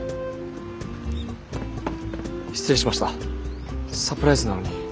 失礼しましたサプライズなのに。